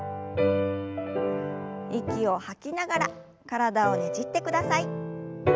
息を吐きながら体をねじってください。